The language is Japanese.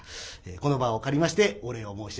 この場を借りましてお礼を申し上げます。